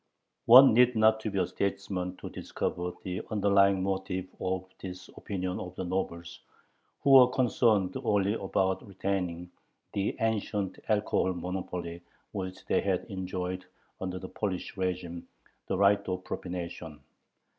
One need not be a statesman to discover the underlying motive of this "opinion" of the nobles, who were concerned only about retaining the ancient alcohol monopoly which they had enjoyed under the Polish régime ("the right of propination").